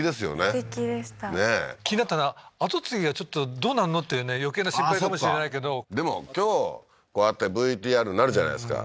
すてきでした気になったのは後継ぎがちょっとどうなんのってね余計な心配かもしれないけどでも今日こうやってＶＴＲになるじゃないですか